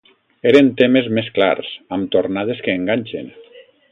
Eren temes més clars, amb tornades que enganxen.